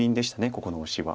ここのオシは。